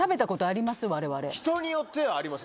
人によってはあります。